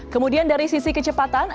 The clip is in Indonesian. kemudian dari sisi kecepatan